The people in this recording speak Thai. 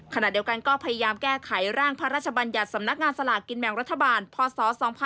ขณะเดียวกันก็พยายามแก้ไขร่างพระราชบัญญัติสำนักงานสลากินแบ่งรัฐบาลพศ๒๕๖๒